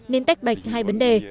nên tách bạch hai vấn đề